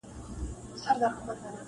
o کوم ظالم چي مي غمی را څه پټ کړی,